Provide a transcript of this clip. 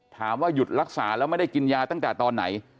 ถามว่าหยุดรักษาแล้วไม่ได้กินยาตั้งแต่ตอนไหน